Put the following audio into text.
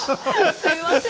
すみません。